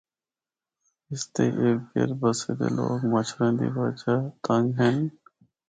اس دے اردگرد بسے دے لوگ مچھراں دی وجہ تنگ ہن۔